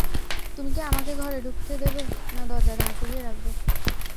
তুমি কি আমাকে ঘরে ঢুকতে দেবে, না দরজায় দাঁড় করিয়ে রাখবে?